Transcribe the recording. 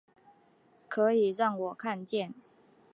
可以让我看见